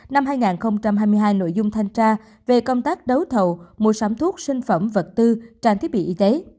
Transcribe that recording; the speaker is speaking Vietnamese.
năm hai nghìn hai mươi hai nội dung thanh tra về công tác đấu thầu mua sắm thuốc sinh phẩm vật tư trang thiết bị y tế